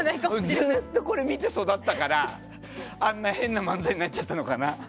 ずっとこれ見て育ったからあんな変な漫才になっちゃったのかな。